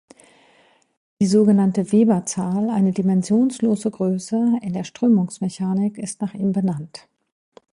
Die sogenannte Weber-Zahl, eine dimensionslose Größe in der Strömungsmechanik, ist nach ihm benannt.